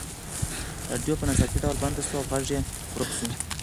راډیو په ناڅاپي ډول بنده شوه او غږ یې ورک شو.